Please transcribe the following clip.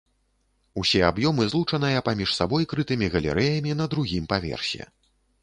Усе аб'ёмы злучаныя паміж сабой крытымі галерэямі на другім паверсе.